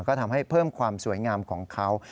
ก็ทำให้เพิ่มความสวยงามของเขา